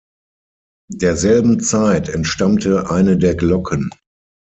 Derselben Zeit entstammte eine der Glocken.